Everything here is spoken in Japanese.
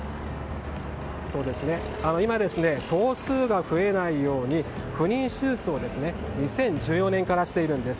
今、頭数が増えないように不妊手術を２０１４年からしているんです。